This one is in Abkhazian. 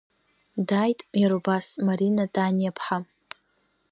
Дааит, иара убас, Марина Ҭаниа-ԥҳа.